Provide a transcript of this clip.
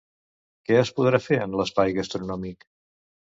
Què es podrà fer en l'espai gastronòmic?